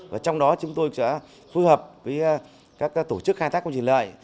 và trong đó chúng tôi sẽ phù hợp với các tổ chức khai thác công trình lợi